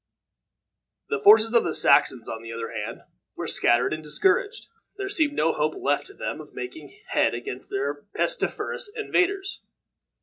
The forces of the Saxons, on the other hand, were scattered and discouraged. There seemed no hope left to them of making head against their pestiferous invaders.